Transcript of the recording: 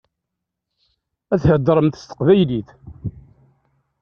Ad theḍṛemt s teqbaylit.